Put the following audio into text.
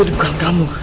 jadi bukan kamu